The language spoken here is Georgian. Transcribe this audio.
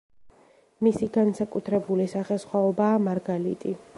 მისი განსაკუთრებული სახესხვაობაა მარგალიტი.